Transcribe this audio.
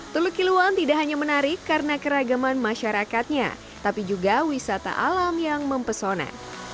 teluk kiluan tidak hanya menarik karena keragaman masyarakatnya tapi juga wisata alam yang mempesona